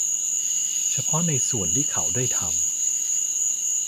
เฉพาะในส่วนที่เขาได้ทำ